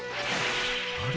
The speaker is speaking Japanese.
あれ？